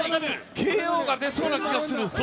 ＫＯが出そうな気がする。